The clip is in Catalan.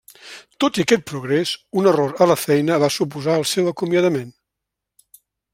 Tot i aquest progrés, un error a la feina va suposar el seu acomiadament.